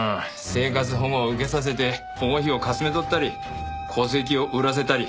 生活保護を受けさせて保護費をかすめ取ったり戸籍を売らせたり。